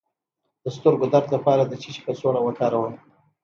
د سترګو درد لپاره د څه شي کڅوړه وکاروم؟